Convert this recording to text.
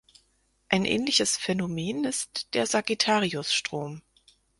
Ein ähnliches Phänomen ist der Sagittarius-Strom.